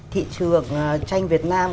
thị trường tranh việt nam